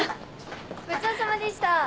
ごちそうさまでした。